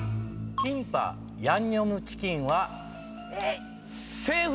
キンパヤンニョムチキンはセーフです！